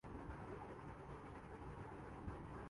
پیغمبر اور خدا کا تعلق کیا ہے؟